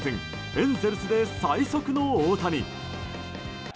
エンゼルスで最速の大谷。